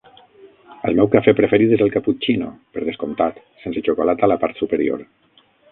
El meu cafè preferit és el caputxino, per descomptat, sense xocolata a la part superior.